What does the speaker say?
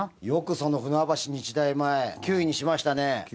よくその船橋日大前９位にしましたね。